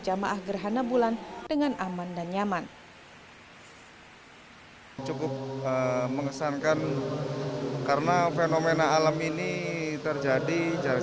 jamaah gerhana bulan dengan aman dan nyaman cukup mengesankan karena fenomena alam ini terjadi